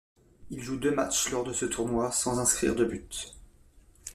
Il joue deux matchs lors de ce tournoi, sans inscrire de but.